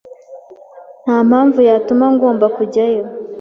Nta mpamvu yatuma ngomba kujyayo.